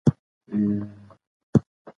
تاسو به په لیکلو کي ستونزې ولرئ.